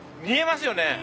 見えますよね！？